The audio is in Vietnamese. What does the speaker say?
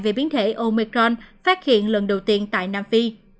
về biến thể omecron phát hiện lần đầu tiên tại nam phi